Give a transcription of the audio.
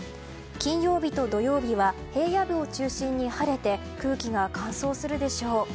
金曜日と土曜日は平野部を中心に晴れて空気が乾燥するでしょう。